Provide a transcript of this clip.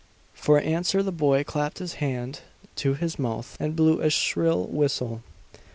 For answer the boy clapped his hand to his mouth and blew a shrill whistle.